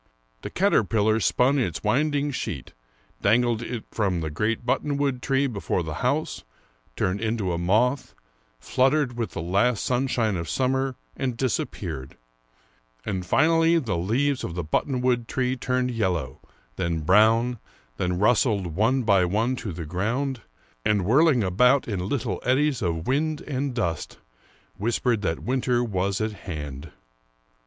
The caterpillar spun its winding sheet, dangled in it from the great buttonwood tree before the house, turned into a moth, fluttered with the last sun shine of summer, and disappeared; and finally the leaves of the buttonwood tree turned yellow, then brown, then rustled one by one to the ground, and whirling about in little eddies of wind and dust, whispered that winter was at hand.